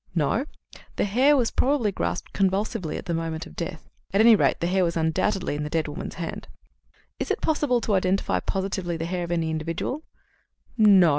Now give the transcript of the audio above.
"No. The hair was probably grasped convulsively at the moment of death. At any rate, the hair was undoubtedly in the dead woman's hand." "Is it possible to identify positively the hair of any individual?" "No.